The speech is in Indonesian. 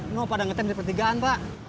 no pada ngetem di pertigaan pak